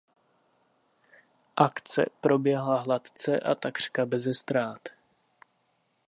Akce proběhla hladce a takřka beze ztrát.